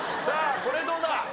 さあこれどうだ？